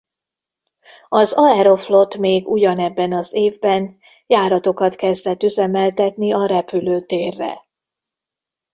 Az Aeroflot még ugyanebben az évben járatokat kezdett üzemeltetni a repülőtérre.